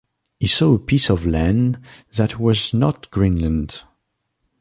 He saw a piece of land that was not Greenland.